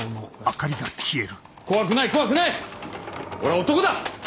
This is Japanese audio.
怖くない怖くない俺は男だ！